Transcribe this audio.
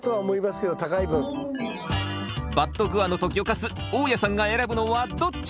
バットグアノと魚かす大家さんが選ぶのはどっち？